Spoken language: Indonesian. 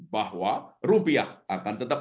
bahwa rupiah akan tetap